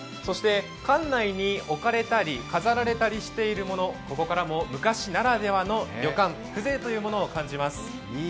館内に置かれたり飾られたりしているもの、ここからも昔ならではの旅館、風情というものを感じます。